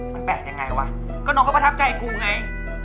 มันแปลกยังไงวะก็น้องเขาประทับใจกูไง